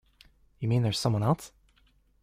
You mean there's someone else?